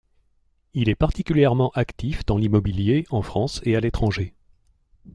Il est particulièrement actif dans l’immobilier en France et à l’étranger.